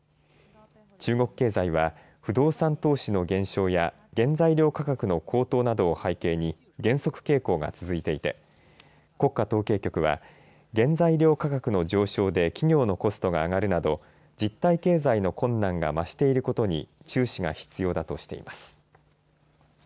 中国経済は不動産投資の減少や原材料価格の高騰などを背景に減速傾向が続いていて国家統計局は原材料価格の上昇で企業のコストが上がるなど実体経済の困難が増していることに注視が必要だとしています。